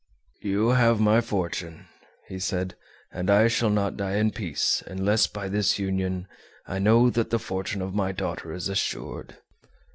"You have made my fortune," he said, "and I shall not die in peace unless by this union I know that the fortune of my daughter is assured."